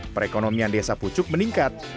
perekonomian desa pucuk meningkat